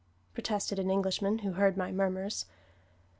protested an Englishman who heard my murmurs.